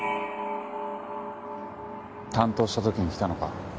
担当した時に来たのか？